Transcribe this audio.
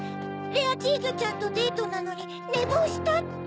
「レアチーズちゃんとデートなのにねぼうした」って？